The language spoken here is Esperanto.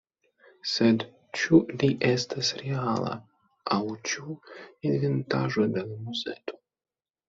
Sed ĉu li estas reala, aŭ ĉu inventaĵo de la museto?